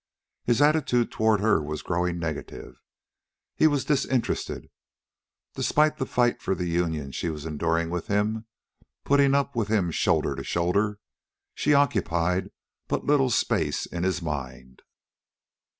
His attitude toward her was growing negative. He was disinterested. Despite the fight for the union she was enduring with him, putting up with him shoulder to shoulder, she occupied but little space in his mind.